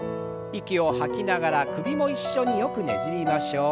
息を吐きながら首も一緒によくねじりましょう。